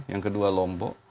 yang kedua lombok